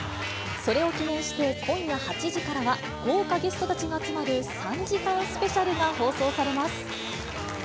それを記念して、今夜８時からは、豪華ゲストたちが集まる３時間スペシャルが放送されます。